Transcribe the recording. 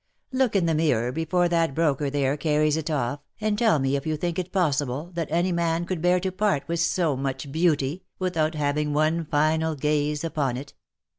Look in the mirror before that broker there carries it off, and tell me if you think it possible that any man could bear to part with so much beauty, without having one final gaze upon it